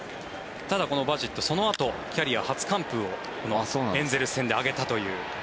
このバシットキャリア初完封をエンゼルス戦で挙げたという。